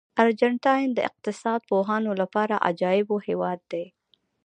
ارجنټاین د اقتصاد پوهانو لپاره د عجایبو هېواد دی.